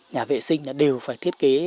nhà vệ sinh đều phải thiết kế